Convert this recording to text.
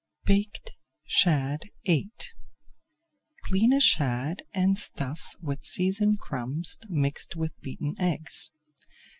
BAKED SHAD VIII Clean a shad and stuff with seasoned crumbs mixed with beaten eggs.